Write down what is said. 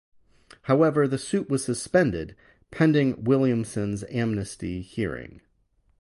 However, the suit was suspended pending Williamson's Amnesty hearing.